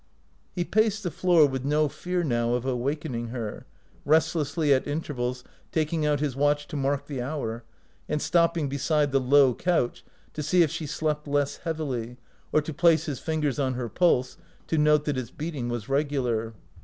He paced the floor with no fear now of awakening her, restlessly at intervals taking out his watch to mark the hour, and stopping beside the low couch to see if she slept less heavily, or to place his fingers on her pulse, to note that its beating was regular.